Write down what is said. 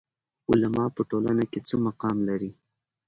علما په ټولنه کې څه مقام لري؟